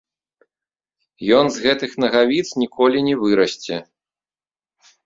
Ён з гэтых нагавіц ніколі не вырасце.